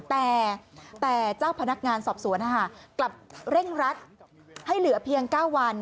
แต่เจ้าพนักงานสอบสวนกลับเร่งรัดให้เหลือเพียง๙วัน